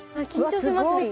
すごい。